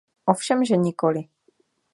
Ovšemže nikoli.